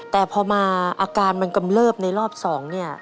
แต่พอมาอาการมันกำเลิบในรอบ๒เนี่ย